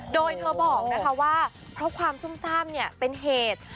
โดยเธอบอกนะคะว่าเพราะความซุ่มซ่ามเป็นเหตุ